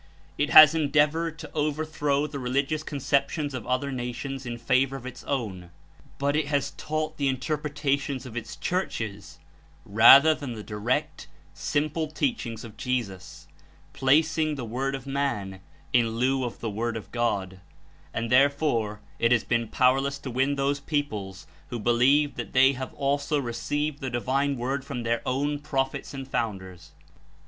It has endeavored to over throw the religious conceptions of other nations in favor of its own, but it has taught the interpretations of its churches rather than the direct, simple teach ings of Jesus, placing the word of man in lieu of the Word of God, and therefore it has been powerless to win those peoples who believe that they have also received the Divine Word from their own prophets and founders.